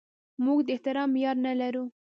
موږ د احترام معیار نه لرو.